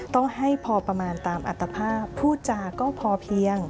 ต้องให้พอประมาณตามอัตภาพพูดจาก็พอเพียง